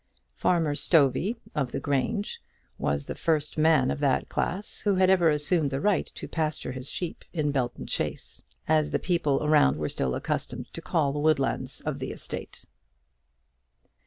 Farmer Stovey, of the Grange, was the first man of that class who had ever assumed the right to pasture his sheep in Belton chase, as the people around were still accustomed to call the woodlands of the estate.